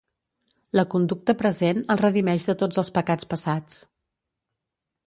La conducta present el redimeix de tots els pecats passats.